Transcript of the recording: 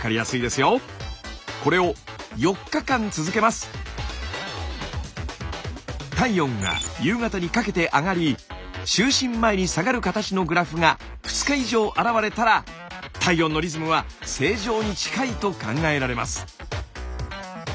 測った体温は体温が夕方にかけて上がり就寝前に下がる形のグラフが２日以上あらわれたら体温のリズムは正常に近いと考えられます。